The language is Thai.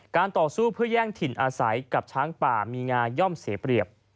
ต่อสู้เพื่อแย่งถิ่นอาศัยกับช้างป่ามีงาย่อมเสียเปรียบ